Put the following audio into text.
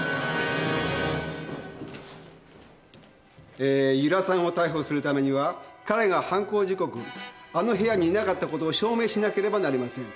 えー由良さんを逮捕するためには彼が犯行時刻あの部屋にいなかったことを証明しなければなりません。